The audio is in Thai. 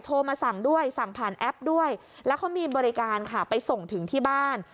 โทรมาสั่งด้วยสั่งผ่านแอปด้วยแล้วเขามีบริการค่ะไปส่งถึงที่บ้าน